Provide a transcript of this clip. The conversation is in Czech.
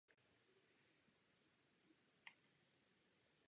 Baltské moře je téměř mrtvé.